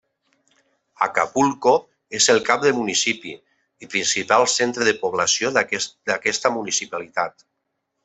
Acapulco és el cap de municipi i principal centre de població d'aquesta municipalitat.